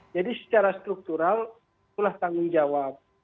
jadi secara struktural itulah tanggung jawab